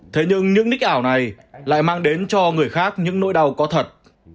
thế nhưng những ních ảo này lại mang đến cho người khác những nỗi đau có thật